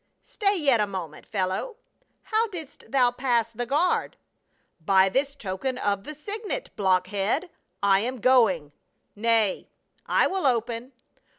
" Stay yet a moment, fellow ; how didst thou pass the guard ?"" By this token of the signet, blockhead. — I am going." " Nay, I will open.